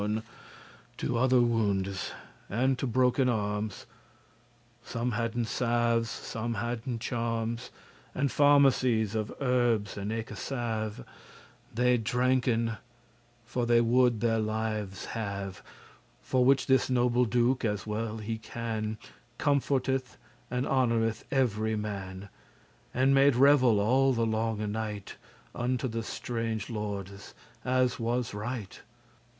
*pierced To other woundes, and to broken arms, Some hadden salves, and some hadden charms: And pharmacies of herbs, and eke save* *sage, Salvia officinalis They dranken, for they would their lives have. For which this noble Duke, as he well can, Comforteth and honoureth every man, And made revel all the longe night, Unto the strange lordes, as was right.